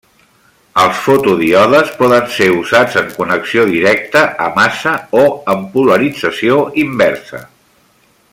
Els fotodíodes poden ser usats en connexió directa a massa o en polarització inversa.